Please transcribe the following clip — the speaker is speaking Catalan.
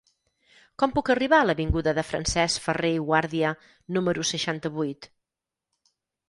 Com puc arribar a l'avinguda de Francesc Ferrer i Guàrdia número seixanta-vuit?